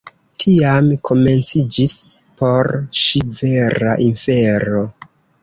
Tiam komenciĝis por ŝi vera infero.